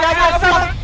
tidak tidak tidak